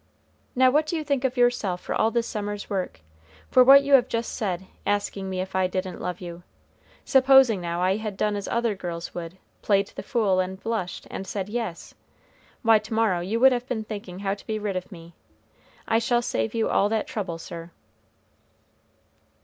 "Now what do you think of yourself for all this summer's work? for what you have just said, asking me if I didn't love you? Supposing, now, I had done as other girls would, played the fool and blushed, and said yes? Why, to morrow you would have been thinking how to be rid of me! I shall save you all that trouble, sir."